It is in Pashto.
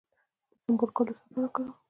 د سنبل ګل د څه لپاره وکاروم؟